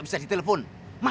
mas gun aku mau ke rumah